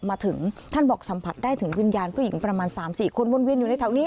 มาถึงท่านบอกสัมผัสได้ถึงวิญญาณผู้หญิงประมาณ๓๔คนวนเวียนอยู่ในแถวนี้